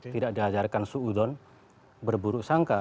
tidak diajarkan who's no zone berburuk sangka